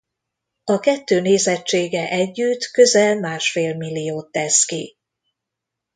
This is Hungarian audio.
A kettő nézettsége együtt közel másfél milliót tesz ki.